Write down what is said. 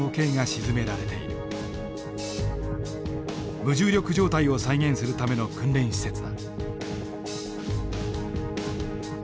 無重力状態を再現するための訓練施設だ。